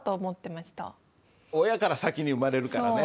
親から先に生まれるからね。